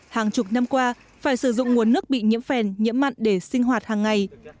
hàng chục năm qua phải sử dụng nguồn nước bị nhiễm phèn nhiễm mặn để sinh hoạt hàng ngày